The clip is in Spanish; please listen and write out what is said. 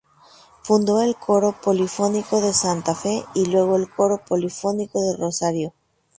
Fundó el Coro Polifónico de Santa Fe y luego el Coro Polifónico de Rosario.